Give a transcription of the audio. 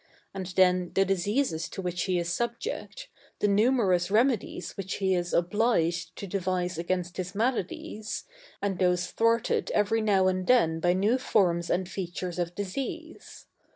And then, the diseases to which he is subject, the numerous remedies which he is obliged to devise against his maladies, and those thwarted every now and then by new forms and features of disease.